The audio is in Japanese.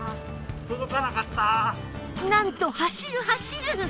なんと走る走る！